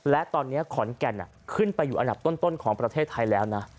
และตอนนี้ขอนแก่นขึ้นไปอยู่อันดับต้นของประเทศไทยแล้วนะ